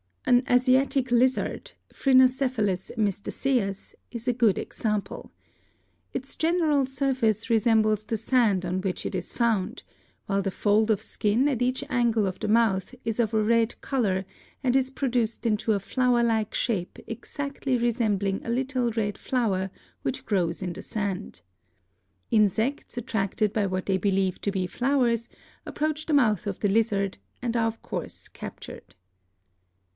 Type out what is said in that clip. "An Asiatic lizard, Phrynocephalus mystaceus, is a good example. Its general surface resembles the sand on which it is found, while the fold of skin at each angle of the mouth is of a red color and is produced into a flower like shape exactly resembling a little red flower which grows in the sand. Insects, attracted by what they believe to be flowers, approach the mouth of the lizard, and are of course captured.